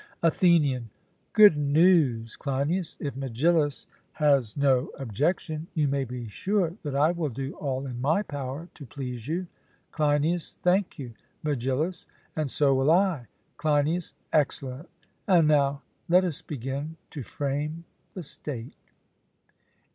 ATHENIAN: Good news, Cleinias; if Megillus has no objection, you may be sure that I will do all in my power to please you. CLEINIAS: Thank you. MEGILLUS: And so will I. CLEINIAS: Excellent; and now let us begin to frame the State.